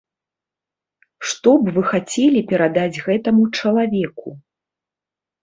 Што б вы хацелі перадаць гэтаму чалавеку?